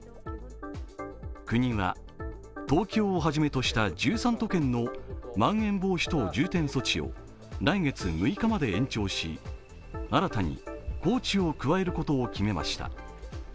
国は東京をはじめとした１３都県のまん延防止等重点措置を来月６日まで延長し、新たに高知を加えることを決めました。